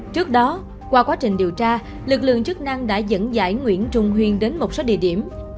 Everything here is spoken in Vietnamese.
trước đó qua quá trình điều tra lực lượng chức năng đã dẫn dãi nguyễn trung huyên đến một số địa điểm